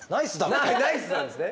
ナイスなんですね。